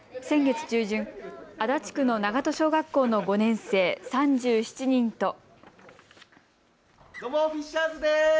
先月中旬、足立区の長門小学校の５年生３７人と。